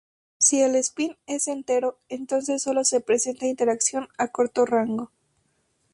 Si el espín es entero, entonces solo se presenta interacción a corto rango.